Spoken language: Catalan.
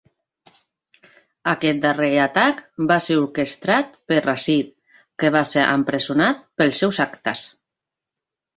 Aquest darrer atac va ser orquestrat per Rashid, que va ser empresonat pels seus actes.